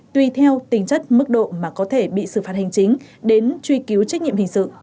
tùy theo tính chất mức độ mà có thể bị xử phạt hành chính đến truy cứu trách nhiệm hình sự